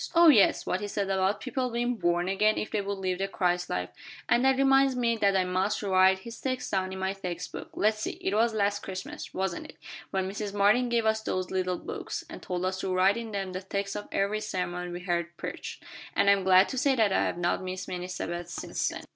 "Oh, yes, what he said about people being 'born again' if they would live the Christ life, and that reminds me that I must write his text down in my text book. Let's see, it was last Christmas, wasn't it, when Mrs. Martin gave us those little books, and told us to write in them the text of every sermon we heard preached; and I am glad to say that I have not missed many Sabbaths since then."